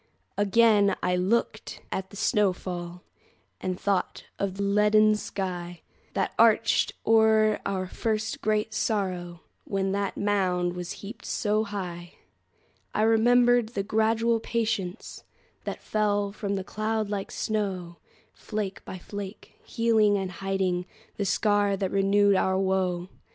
Again I looked at the snow fall, And thought of the leaden skyThat arched o'er our first great sorrow, When that mound was heaped so high.I remembered the gradual patienceThat fell from that cloud like snow, Flake by flake, healing and hidingThe scar that renewed our woe.